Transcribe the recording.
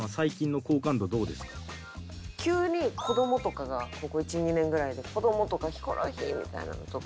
急に子どもとかがここ１２年ぐらいで子どもとか「ヒコロヒー！」みたいなのとか。